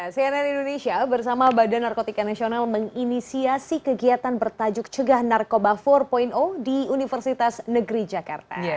cnn indonesia bersama badan narkotika nasional menginisiasi kegiatan bertajuk cegah narkoba empat di universitas negeri jakarta